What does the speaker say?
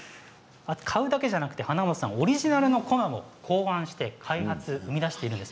買うだけではなく、花元さんオリジナルのこまを考案して開発、生みだしています。